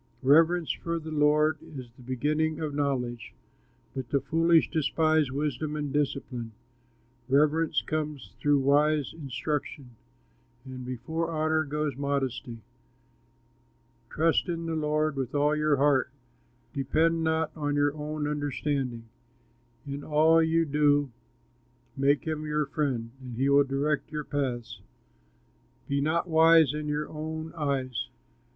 Reverence for the Lord is the beginning of knowledge, But the foolish despise wisdom and discipline. Reverence comes through wise instruction, And before honor goes modesty. Trust in the Lord with all your heart, Depend not on your own understanding; In all you do make him your friend, And he will direct your paths. Be not wise in your own eyes.